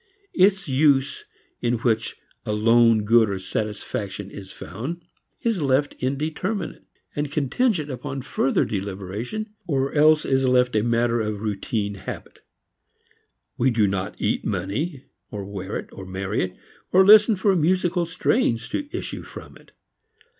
Its use, in which alone good or satisfaction is found, is left indeterminate, contingent upon further deliberation, or else is left matter of routine habit. We do not eat money, or wear it, or marry it, or listen for musical strains to issue from it.